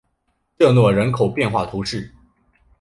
热诺人口变化图示